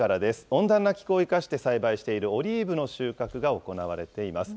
温暖な気候を生かして栽培しているオリーブの収穫が行われています。